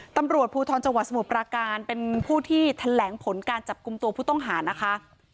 ตำรวจภูทรจังหวัดสมุทรปราการเป็นผู้ที่แถลงผลการจับกลุ่มตัวผู้ต้องหานะคะ